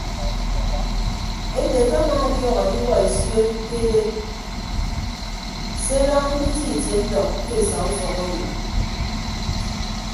Ete ke amaadiọk adiwuọ esion ke eded se daña nditie itie ndọk ke esa ufọk owo.